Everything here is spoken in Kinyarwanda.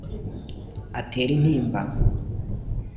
Atera intimba